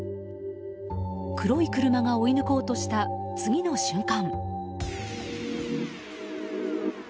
黒い車が追い抜こうとした次の瞬間。